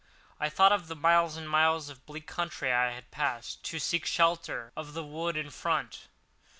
I thought of the miles and miles of bleak country I had passed, and then hurried on to seek the shelter of the wood in front.